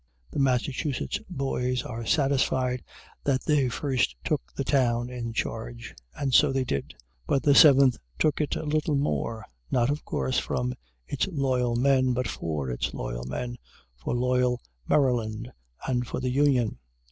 The Massachusetts boys are satisfied that they first took the town in charge. And so they did. But the Seventh took it a little more. Not, of course, from its loyal men, but for its loyal men, for loyal Maryland, and for the Union.